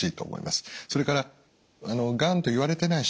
それからがんと言われてない人